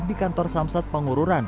di kantor samsat pengururan